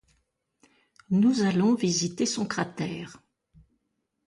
Nous allons visiter son cratère.